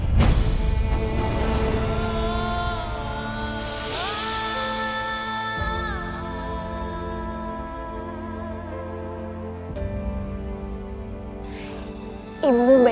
apa yang terjadi dengan ibu kak